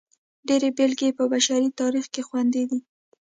ډېرې بېلګې یې په بشري تاریخ کې خوندي دي.